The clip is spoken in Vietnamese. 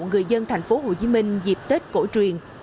người dân thành phố hồ chí minh dịp tết cổ truyền